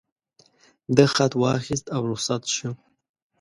ده خط واخیست او رخصت شو.